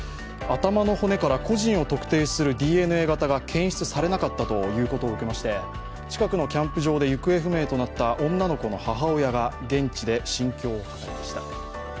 頭の骨から個人を特定するＤＮＡ型が検出されなかったということを受けまして近くのキャンプ場で行方不明となった女の子の母親が心境を語りました。